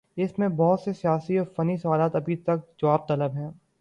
اس میں بہت سے سیاسی اور فنی سوالات ابھی تک جواب طلب ہیں۔